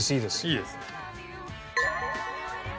いいですね。